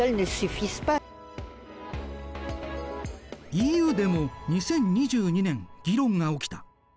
ＥＵでも２０２２年議論が起きた。